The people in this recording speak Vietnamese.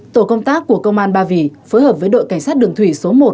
tổ công tác của công an ba vì phối hợp với đội cảnh sát đường thủy số một